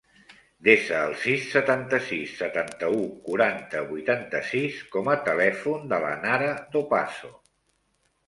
Desa el sis, setanta-sis, setanta-u, quaranta, vuitanta-sis com a telèfon de la Nara Dopazo.